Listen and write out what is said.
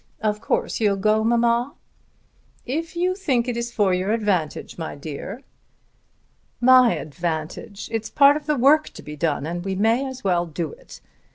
Of course you'll go, mamma." "If you think it is for your advantage, my dear." "My advantage! It's part of the work to be done and we may as well do it.